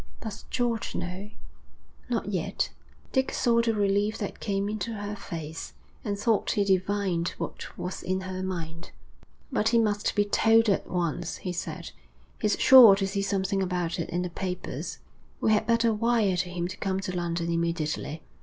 'Does George know?' 'Not yet.' Dick saw the relief that came into her face, and thought he divined what was in her mind. 'But he must be told at once,' he said. 'He's sure to see something about it in the papers. We had better wire to him to come to London immediately.'